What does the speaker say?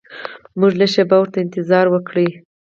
موږ لږه شیبه ورته انتظار وکړ.